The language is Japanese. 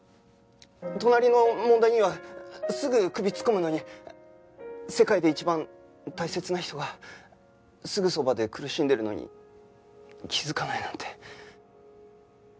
隣の問題にはすぐ首突っ込むのに世界で一番大切な人がすぐそばで苦しんでるのに気づかないなんて。